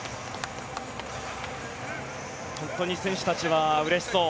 本当に選手たちはうれしそう。